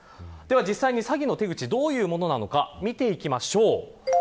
実際に詐欺の手口どういうものなのか見ていきましょう。